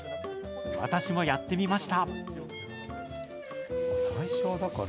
私もやってみました。